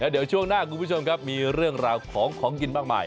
เดี๋ยวช่วงหน้าคุณผู้ชมครับมีเรื่องราวของของกินมากมาย